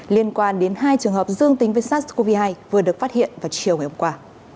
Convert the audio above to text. liên quan đến hai trường hợp dương tính với sars cov hai vừa được phát hiện vào chiều ngày hôm qua